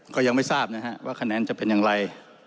ก็ยังไม่ทราบนะฮะว่าคะแนนจะเป็นอย่างไร